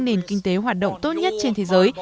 nền kinh tế hoạt động tốt nhất trên thế giới